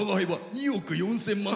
２億４０００万。